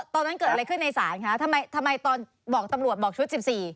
ตอนนั้นเกิดอะไรขึ้นในศาลคะทำไมทำไมตอนบอกตำรวจบอกชุด๑๔